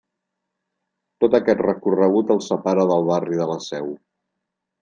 Tot aquest recorregut el separa del barri de la Seu.